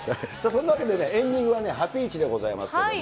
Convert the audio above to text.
そんなわけでね、エンディングはね、ハピイチでございますけども。